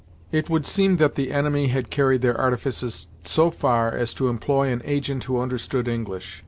It would seem that the enemy had carried their artifices so far as to employ an agent who understood English.